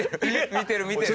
見てる見てる！